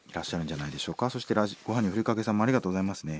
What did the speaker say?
そしてご飯にふりかけさんもありがとうございますね。